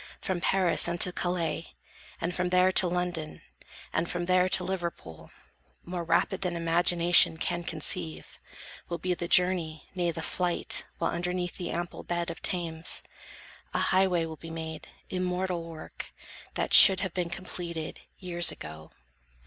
From Paris unto Calais, and from there To London, and from there to Liverpool, More rapid than imagination can Conceive, will be the journey, nay the flight; While underneath the ample bed of Thames, A highway will be made, immortal work, That should have been completed, years ago.